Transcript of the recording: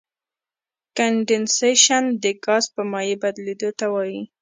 کنډېنسیشن د ګاز په مایع بدلیدو ته وایي.